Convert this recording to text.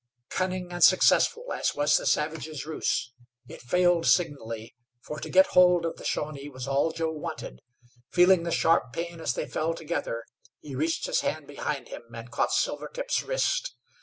Cunning and successful as was the savage's ruse, it failed signally, for to get hold of the Shawnee was all Joe wanted. Feeling the sharp pain as they fell together, he reached his hand behind him and caught Silvertip's wrist.